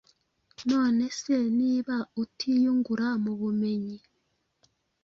None se niba utiyungura mu bumenyi,